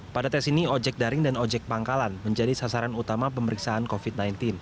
pada tes ini ojek daring dan ojek pangkalan menjadi sasaran utama pemeriksaan covid sembilan belas